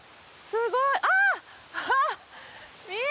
すごーい。